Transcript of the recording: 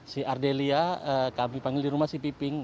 si ardelia kami panggil di rumah si piping